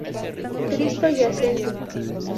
Cristo Yacente.